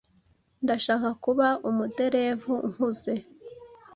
Ndashaka kuba umuderevu nkuze.